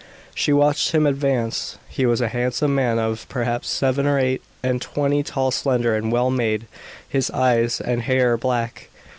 She watched him advance! He was a handsome man of, perhaps, seven or eight and twenty, tall, slender and well made, his eyes and hair black.